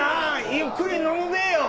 ゆっくり飲むべよ。